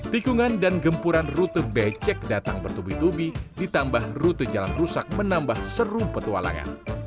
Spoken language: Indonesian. tikungan dan gempuran rute becek datang bertubi tubi ditambah rute jalan rusak menambah seru petualangan